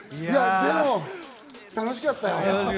でも楽しかったよ。